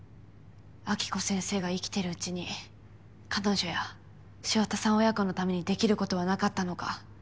暁子先生が生きてるうちに彼女や潮田さん親子のために出来ることはなかったのか。